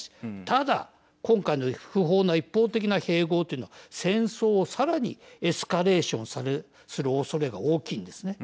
ただ、今回の不法な一方的な併合というのは戦争をさらにエスカレーションするおそれが大きいんですね。